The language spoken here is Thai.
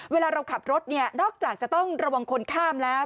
เวลาเราขับรถเนี่ยนอกจากจะต้องระวังคนข้ามแล้ว